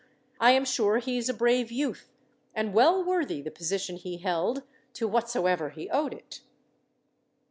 I am sure he is a brave youth, and well worthy the position he held, to whatsoever he owed it."